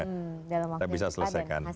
kita bisa selesaikan